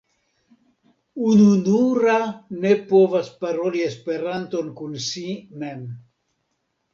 Ununura ne povas paroli Esperanton kun si mem.